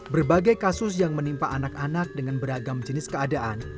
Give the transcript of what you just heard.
berbagai kasus yang menimpa anak anak dengan beragam jenis keadaan